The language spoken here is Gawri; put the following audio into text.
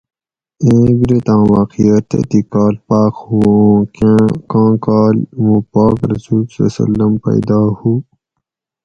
ایں عبرتاں واقعہ تتھی کال پاۤخ ہُو اُوں کاں کال مُو پاک رسول (ص) پیدا ہُو